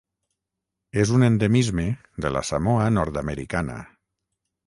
És un endemisme de la Samoa Nord-americana.